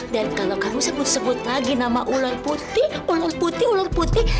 dan kalau kamu sebut sebut lagi nama ular putih ular putih ular putih